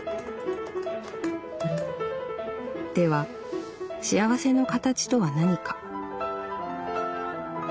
「では幸せの形とは何か」。